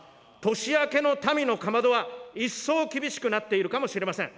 年明けの民のかまどは、一層厳しくなっているかもしれません。